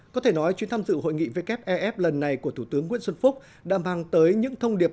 có thể nói chuyến tham dự hội nghị wef lần này của thủ tướng nguyễn xuân phúc đã mang tới những thông điệp